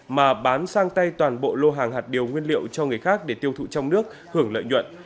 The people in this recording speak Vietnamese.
mà bán sang tay toàn bộ lô hàng hạt điều nguyên liệu cho người khác để tiêu thụ trong nước hưởng lợi nhuận